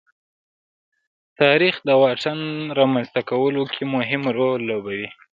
تاریخ د واټن رامنځته کولو کې مهم رول لوبوي.